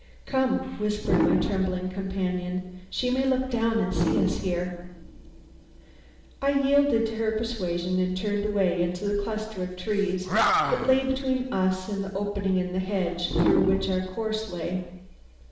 "Come!" whispered my trembling companion. "She may look down and see us here." I yielded to her persuasion and turned away into the cluster of trees that lay between us and that opening in the hedge through which our course lay.